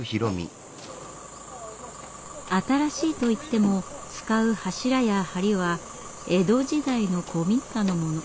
新しいといっても使う柱や梁は江戸時代の古民家のもの。